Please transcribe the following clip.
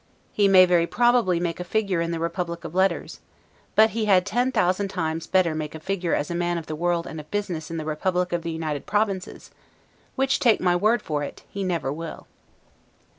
He may, very probably, make a figure in the republic of letters, but he had ten thousand times better make a figure as a man of the world and of business in the republic of the United Provinces, which, take my word for it, he never will.